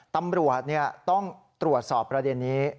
ตำรวจต้องตรวจสอบประเด็นนี้